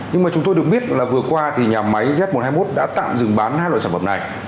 nhưng mà chúng tôi được biết là vừa qua thì nhà máy z một trăm hai mươi một đã tạm dừng bán hai loại sản phẩm này